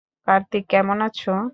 কার্তিক কেমন আছো?